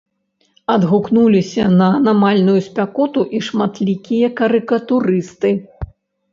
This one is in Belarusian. Адгукнуліся на анамальную спякоту і шматлікія карыкатурысты.